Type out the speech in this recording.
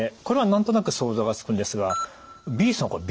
これは何となく想像がつくんですがＢさん